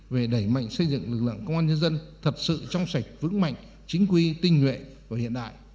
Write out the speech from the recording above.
về đẩy mạnh xây dựng lực lượng công an nhân dân thật sự trong sạch vững mạnh chính quy tinh nguyện và hiện đại